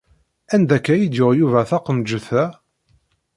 Anda akka i d-yuɣ Yuba taqemǧet-a?